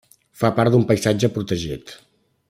Fa part d'un paisatge protegit.